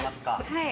はい。